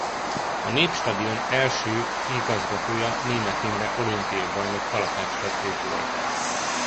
A Népstadion első igazgatója Németh Imre olimpiai bajnok kalapácsvető volt.